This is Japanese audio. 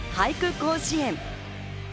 甲子園。